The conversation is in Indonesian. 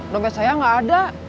nomet saya gak ada